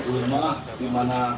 rumah di mana